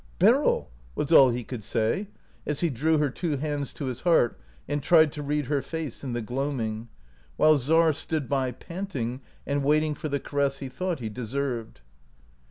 a " Beryl! " was all he could say as he drew her two hands to his heart and tried to read her face in the gloaming, while Czar stood by panting, and waiting for the caress he thought he deserved.